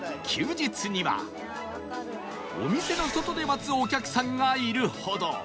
休日にはお店の外で待つお客さんがいるほど